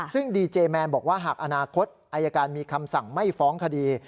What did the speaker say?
ซึ่งดีเจแมนบอกว่าหากอนาคตอายการมีคำสั่งไม่ฟ้องคดี